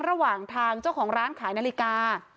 ระหว่างทางเจ้าของร้านขายนาฬิกา